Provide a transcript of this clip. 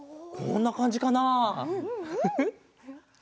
こんなかんじかなフフッ。